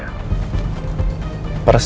persis dengan kesukaan elsa